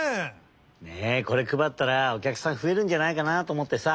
ねえこれくばったらおきゃくさんふえるんじゃないかなとおもってさ。